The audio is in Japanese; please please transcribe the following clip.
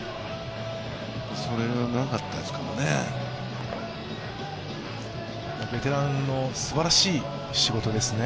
それがなかったですからね。